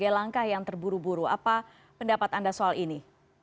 apakah pendapat anda soal ini